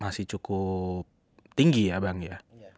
masih cukup tinggi ya bang ya